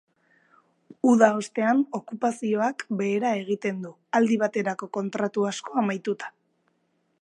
Uda ostean, okupazioak behera egiten du, aldi baterako kontratu asko amaituta.